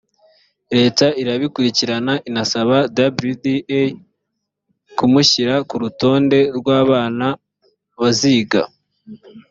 leta irabikurikirana inasaba wda kumushyira kurutonde rwabana baziga